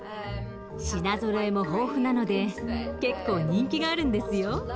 品ぞろえも豊富なので結構人気があるんですよ。